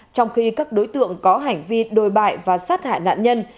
trong khi các đối tượng có hành vi đồi bại và sát hại nạn nhân